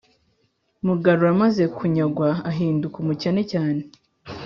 mugarura amaze kunyagwa ahinduka umukene cyane,